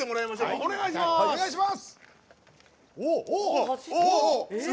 お願いします。